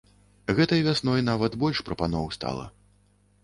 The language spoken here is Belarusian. Гэтай вясной нават больш прапаноў стала.